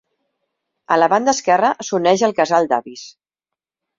A la banda esquerra s'uneix al casal d'avis.